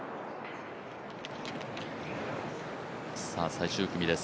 最終組です